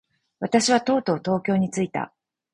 私はとうとう東京に着いた。